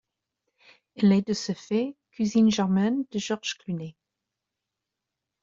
Elle est de ce fait cousine germaine de George Clooney.